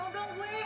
tahu dong gue